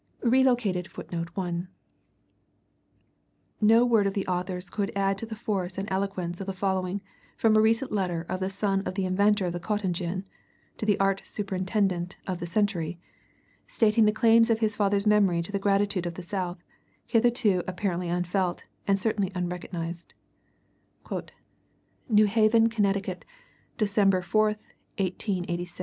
[Relocated Footnote (1): No word of the authors could add to the force and eloquence of the following from a recent letter of the son of the inventor of the cotton gin (to the Art Superintendent of "The Century"), stating the claims of his father's memory to the gratitude of the South, hitherto apparently unfelt, and certainly unrecognized: "NEW HAVEN, CONN.," Dec. 4, 1886. "...